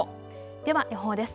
では予報です。